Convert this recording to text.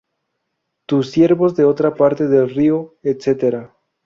Tus siervos de otra la parte del río, etcétera.